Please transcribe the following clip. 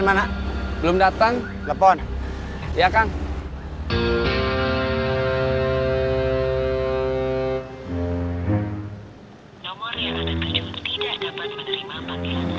nomor yang akan berjunta tidak dapat menerima panggilan anda